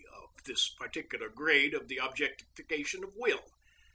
_, of this particular grade of the objectification of will.